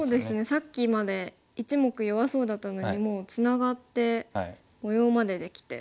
さっきまで１目弱そうだったのにもうツナがって模様までできて。